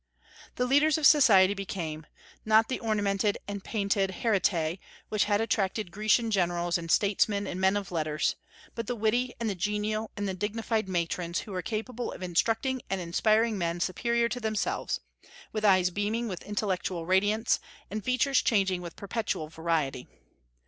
The leaders of society became, not the ornamented and painted heterae which had attracted Grecian generals and statesmen and men of letters, but the witty and the genial and the dignified matrons who were capable of instructing and inspiring men superior to themselves, with eyes beaming with intellectual radiance, and features changing with perpetual variety.